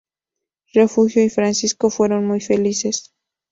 Refugio y Francisco fueron muy felices.